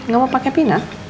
gak mau pake pina